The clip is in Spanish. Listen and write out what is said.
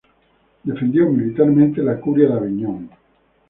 Defendió militarmente la curia de Aviñón.